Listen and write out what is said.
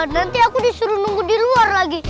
nanti aku disuruh nunggu di luar lagi